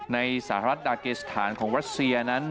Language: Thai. ในสหรัฐดาเกสถานของรัสเซียนั้น